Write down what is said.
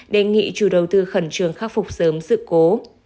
đề nghị chủ đầu tư khẩn trương khắc phục sớm sự cố